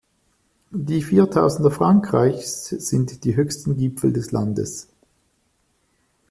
Die Viertausender Frankreichs sind die höchsten Gipfel des Landes.